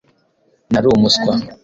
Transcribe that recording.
nari umuswa